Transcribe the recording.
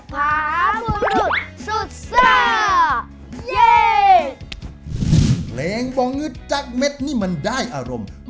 เพลงบางนึกจากเม็ดนี่มันได้อารมณ์